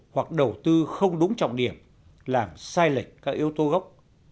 hoặc đầu tư không đúng trọng điểm làm sai lệch các yếu tố gốc